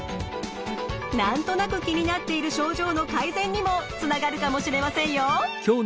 何となく気になっている症状の改善にもつながるかもしれませんよ。